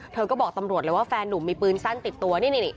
เธอก็บอกตำรวจเลยว่าแฟนนุ่มมีปืนสั้นติดตัวนี่